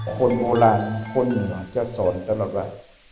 คนโบราณคนจะสอนตลอด